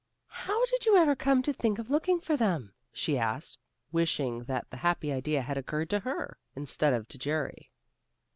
"How did you ever come to think of looking for them?" she asked, wishing that the happy idea had occurred to her, instead of to Jerry.